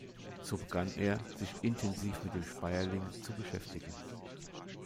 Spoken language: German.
So begann er, sich intensiv mit dem Speierling zu beschäftigen.